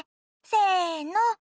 せの。